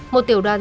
một tiểu đoàn